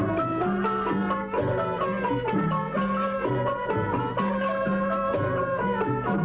มันมันมันมันมัน